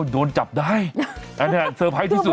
โอ๊ยโดนจับได้อันนั้นค่ะเซอร์ไพรส์ที่สุด